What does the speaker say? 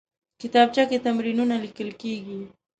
کتابچه کې تمرینونه لیکل کېږي